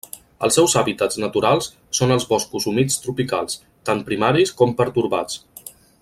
Els seus hàbitats naturals són els boscos humits tropicals, tant primaris com pertorbats.